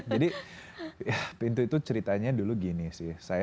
jadi pintu itu ceritanya dulu gini sih